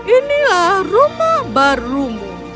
inilah rumah barumu